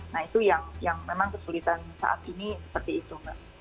nah itu yang memang kesulitan saat ini seperti itu mbak